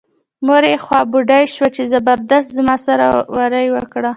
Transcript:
مور یې خوا بډۍ شوه چې زبردست زما سره بې وري وکړه.